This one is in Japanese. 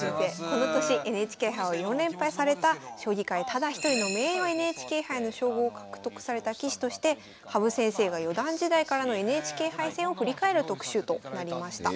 この年ＮＨＫ杯を４連覇された将棋界ただ一人の名誉ＮＨＫ杯の称号を獲得された棋士として羽生先生が四段時代からのＮＨＫ杯戦を振り返る特集となりました。